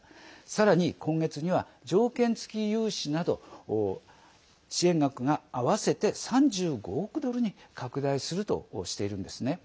さらに今月には条件付き融資など支援額が合わせて３５億ドルに拡大するとしているんですね。